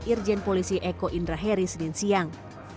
irjen polisi eko indra heri senin siang